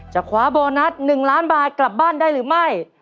คว้าโบนัส๑ล้านบาทกลับบ้านได้หรือไม่